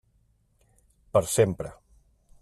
Per sempre.